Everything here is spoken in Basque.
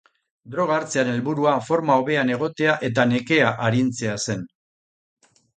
Droga hartzearen helburua forma hobean egotea eta nekea arintzea zen.